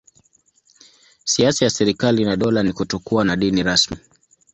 Siasa ya serikali na dola ni kutokuwa na dini rasmi.